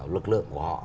lực lượng của họ